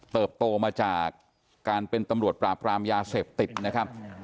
โตมาจากการเป็นตำรวจปราบรามยาเสพติดนะครับ